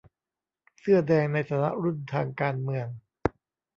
เสื้อแดงในฐานะรุ่นทางการเมือง